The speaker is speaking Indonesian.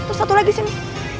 terus satu lagi sini